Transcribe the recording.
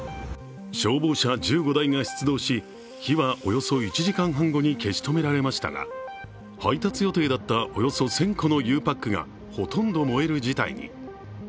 消防車１５台が出動し火はおよそ１時間半後に消し止められましたが配達予定だったおよそ１０００個のゆうパックがほとんど燃える事態に。